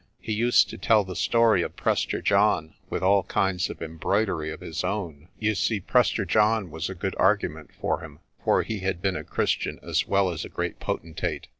He used to tell the story of Prester John, with all kinds of embroidery of his own. You see, Prester John was a good argument for him, for he had been a Christian as well as a great potentate.